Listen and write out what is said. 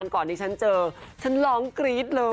ก่อนที่ฉันเจอฉันร้องกรี๊ดเลย